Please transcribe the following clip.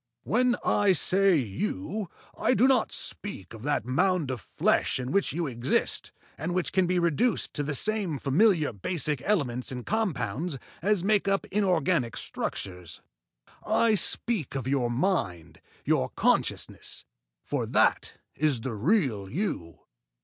When I say you I do not speak of that mound of flesh in which you exist, and which can be reduced to the same familiar basic elements and compounds as make up inorganic structures; I speak of your mind, your consciousness for that is the real you.